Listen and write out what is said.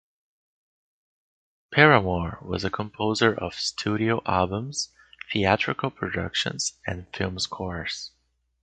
Paramor was a composer of studio albums, theatrical productions, and film scores.